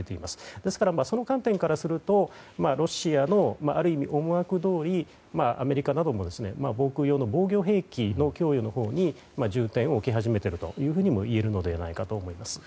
ですから、その観点からするとある意味、ロシアの思惑どおりアメリカなども防空用の防御兵器の供与のほうに重点を置き始めているといえるのではないかと思います。